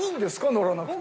乗らなくて。